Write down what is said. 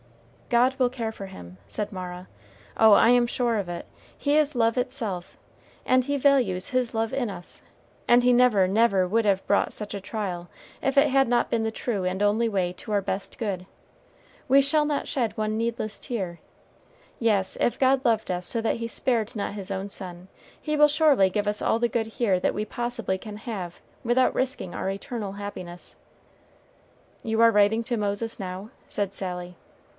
"God will care for him," said Mara; "oh, I am sure of it; He is love itself, and He values his love in us, and He never, never would have brought such a trial, if it had not been the true and only way to our best good. We shall not shed one needless tear. Yes, if God loved us so that he spared not his own Son, he will surely give us all the good here that we possibly can have without risking our eternal happiness." "You are writing to Moses, now?" said Sally.